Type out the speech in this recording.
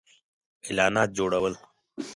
-اعلانات جوړو ل